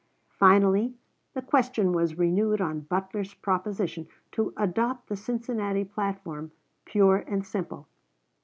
Finally, the question was renewed on Butler's proposition to adopt the Cincinnati platform pure and simple.